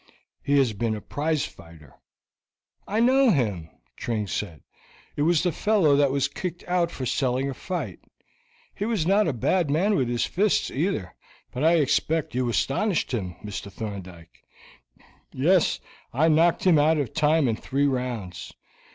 He has been a prize fighter." "I know him," Tring said; "it was the fellow that was kicked out for selling a fight. He was not a bad man with his fists, either; but I expect you astonished him, Mr. Thorndyke." "Yes, I knocked him out of time in three rounds.